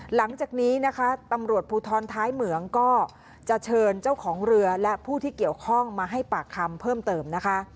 หลังจากนี้นะคะตำรวจภูทรท้ายเหมืองก็จะเชิญเจ้าของเรือและผู้ที่เกี่ยวข้องมาให้ปากคำเพิ่มเติมนะคะ